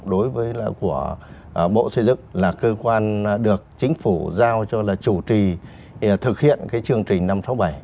bộ xây dựng là cơ quan được chính phủ giao cho là chủ trì thực hiện chương trình năm sáu bảy